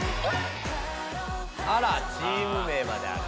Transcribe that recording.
あらチーム名まである。